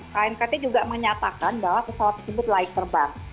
knkt juga menyatakan bahwa pesawat tersebut laik terbang